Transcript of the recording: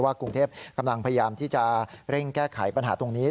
กรุงเทพกำลังพยายามที่จะเร่งแก้ไขปัญหาตรงนี้